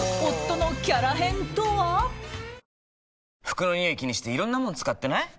服のニオイ気にしていろんなもの使ってない？